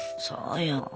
そうよ。